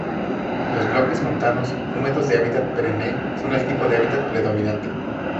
Los bosques montanos húmedos de hoja perenne son el tipo de hábitat predominante.